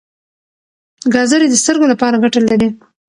ګازرې د سترګو لپاره ګټه لري.